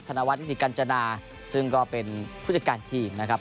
นวัฒนิติกัญจนาซึ่งก็เป็นผู้จัดการทีมนะครับ